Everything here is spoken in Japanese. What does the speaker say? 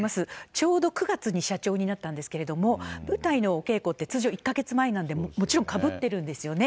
ちょうど９月に社長になったんですけれども、舞台のお稽古って通常１か月前なんで、もちろんかぶってるんですよね。